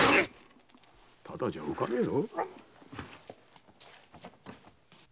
ただじゃおかねえよ。